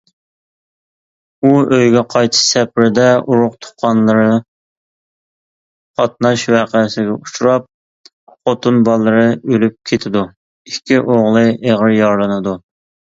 ئۇ ئۆيگە قايتىش سەپىرىدە ئۇرۇق-تۇغقانلىرى قاتناش ۋەقەسىگە ئۇچراپ، خوتۇن-بالىلىرى ئۆلۈپ كېتىدۇ، ئىككى ئوغلى ئېغىر يارىلىنىدۇ.